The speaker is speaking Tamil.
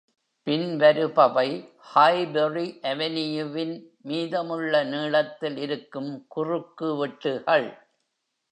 பின்வருபவை Highbury Avenue-வின் மீதமுள்ள நீளத்தில் இருக்கும் குறுக்குவெட்டுகள்.